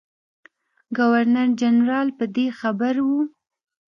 ګورنر جنرال په دې خبر وو.